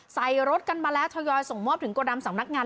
ใส่รถกันมาแล้วทยอยส่งมอบถึงกระดำสำนักงาน